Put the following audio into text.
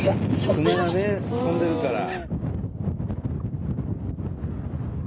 砂がね飛んでるから。